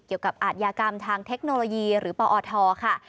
เกี่ยวกับอาชญากรรมทางเทคโนโลยีหรือปอทค่ะ